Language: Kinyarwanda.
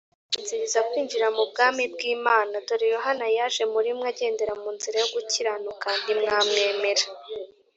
bababanziriza kwinjira mu bwami bw’imana dore yohana yaje muri mwe agendera mu nzira yo gukiranuka ntimwamwemera